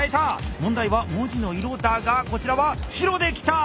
問題は文字の色だがこちらは白できた！